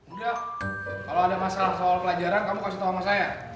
udah kalau ada masalah soal pelajaran kamu kasih tahu sama saya